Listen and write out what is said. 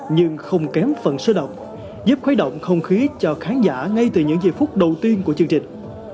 nhưng không kém phần sôi động giúp khuấy động không khí cho khán giả ngay từ những giây phút đầu tiên của chương trình